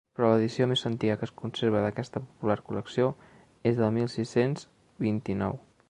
Però l'edició més antiga que es conserva d'aquesta popular col·lecció és del mil sis-cents vint-i-nou.